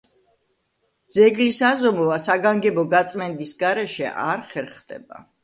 ძეგლის აზომვა საგანგებო გაწმენდის გარეშე არ ხერხდება.